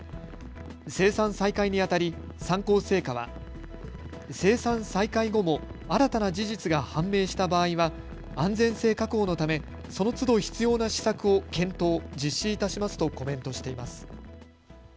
生産再開にあたり三幸製菓は生産再開後も新たな事実が判明した場合は安全性確保のためそのつど必要な施策を検討、実施いたしますとコメントしています。